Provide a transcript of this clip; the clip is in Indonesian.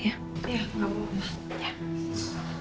iya enggak apa apa